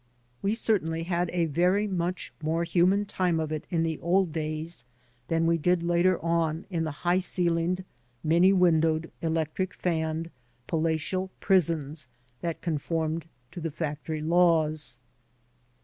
We certainly had a very much more human time of it in the old days than we did later on in the high ceilinged, many windowed, electric fanned, palatial prisons that conformed to the factory laws.